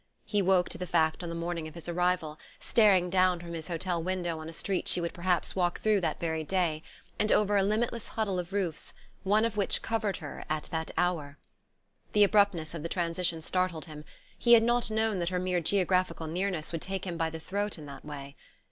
He woke to the fact on the morning of his arrival, staring down from his hotel window on a street she would perhaps walk through that very day, and over a limitless huddle of roofs, one of which covered her at that hour. The abruptness of the transition startled him; he had not known that her mere geographical nearness would take him by the throat in that way.